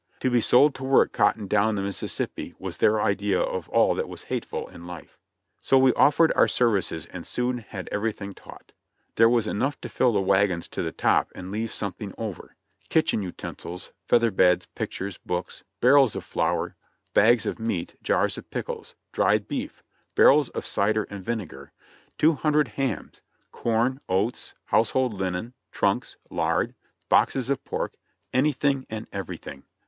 To be sold to work cotton down the Mississippi was their idea of all that was hateful in life. So we offered our services and soon had everything taut. There was enough to fill the wagons to the top and leave something over — kitchen utensils, feather beds, pictures, books, barrels of fiour, bags of meat, jars of pickles, dried beef, barrels of cider and vinegar, two hundred hams, corn, oats, household linen, trunks, lard, boxes of pork, — anything and everything